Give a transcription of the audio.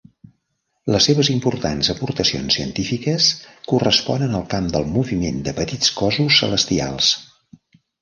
Les seves importants aportacions científiques corresponen al camp del moviment de petits cossos celestials..